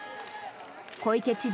小池知事